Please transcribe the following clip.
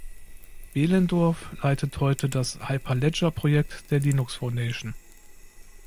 Behlendorf leitet heute das "Hyperledger"-Projekt der Linux Foundation.